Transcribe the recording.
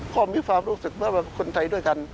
ก็มีความรู้สึกว่าคนไทยด้วยกัน